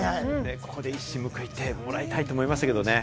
ここで一矢報いてもらいたいと思いましたけれどもね。